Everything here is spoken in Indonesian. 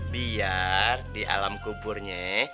biar di alam kuburnya